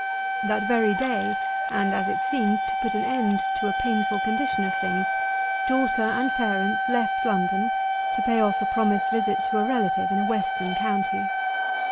That very day, and as it seemed, to put an end to a painful condition of things, daughter and parents left London to pay off a promised visit to a relative in a western county.